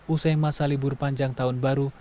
usai masa libur panjang tahun baru